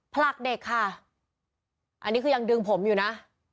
ผลักเด็กค่ะอันนี้คือยังดึงผมอยู่นะ